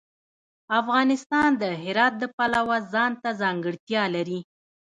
افغانستان د هرات د پلوه ځانته ځانګړتیا لري.